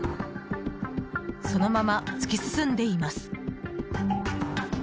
そのまま突き進んでいます。